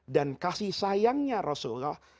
dan kasih sayangnya rasulullah